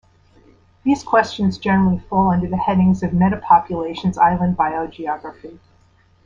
These questions generally fall under the headings of metapopulations island biogeography.